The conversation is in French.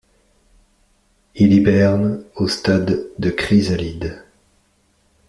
Il hiberne au stade de chrysalide.